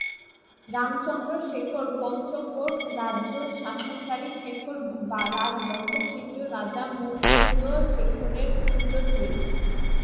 রামচন্দ্র শেখর পঞ্চকোট রাজ্য শাসনকারী শেখর রাজবংশের তৃতীয় রাজা মুকুন্দ শেখরের পুত্র ছিলেন।